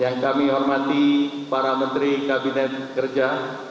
yang kami hormati para menteri kabinet kerja